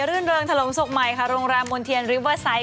ื่นเริงถล่มศพใหม่ค่ะโรงแรมมนเทียนลิเวอร์ไซต์